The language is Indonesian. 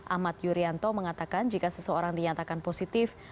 ahmad yuryanto mengatakan jika seseorang dinyatakan positif